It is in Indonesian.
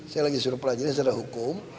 saya lagi suruh pelajari secara hukum